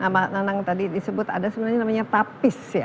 mbak nanang tadi disebut ada sebenarnya namanya tapis ya